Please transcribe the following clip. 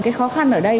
cái khó khăn ở đây